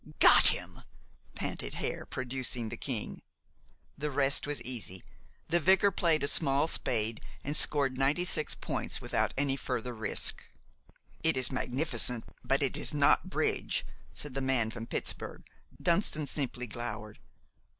"Got him!" panted Hare, producing the king. The rest was easy. The vicar played a small spade and scored ninety six points without any further risk. "It is magnificent; but it is not bridge," said the man from Pittsburg. Dunston simply glowered.